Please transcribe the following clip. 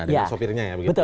dengan sopirnya ya begitu ya